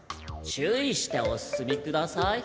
注意してお進みください。